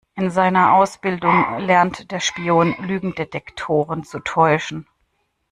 In seiner Ausbildung lernt der Spion, Lügendetektoren zu täuschen.